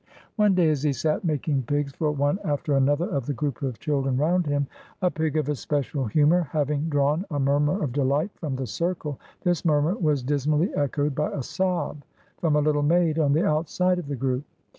One day as he sat "making pigs" for one after another of the group of children round him, a pig of especial humor having drawn a murmur of delight from the circle, this murmur was dismally echoed by a sob from a little maid on the outside of the group.